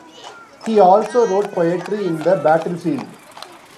He also wrote poetry in the battlefield.